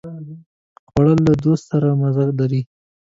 خوړل له دوست سره مزه لري